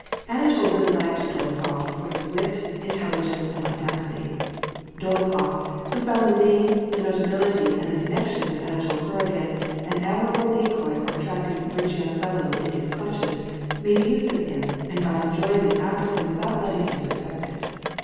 Anatol really liked Dolokhof for his wit, intelligence, and audacity. Dolokhof, who found the name, the notability, and the connections of Anatol Kuragin an admirable decoy for at tracting rich young fellows into his clutches, made use of him and got enjoyment out of him without letting him suspect it.